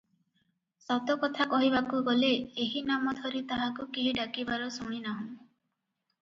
ସତ କଥା କହିବାକୁ ଗଲେ ଏହିନାମ ଧରି ତାହାକୁ କେହି ଡାକିବାର ଶୁଣିନାହୁଁ ।